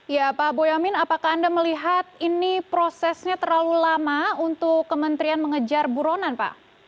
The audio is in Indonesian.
ya pak boyamin apakah anda melihat ini prosesnya terlalu lama untuk kementerian mengejar buronan pak